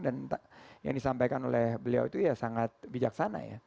dan yang disampaikan oleh beliau itu ya sangat bijaksana ya